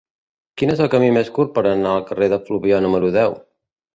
Quin és el camí més curt per anar al carrer de Fluvià número deu?